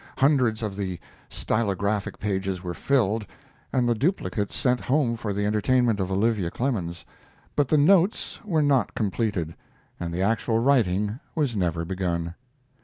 Hundreds of the stylographic pages were filled, and the duplicates sent home for the entertainment of Olivia Clemens, but the notes were not completed, and the actual writing was never begun.